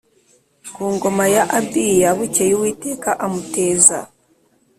ku ngoma ya Abiya Bukeye Uwiteka amuteza